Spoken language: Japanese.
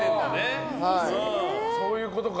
そういうことか。